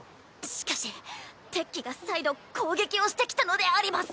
しかし敵機が再度攻撃をしてきたのであります。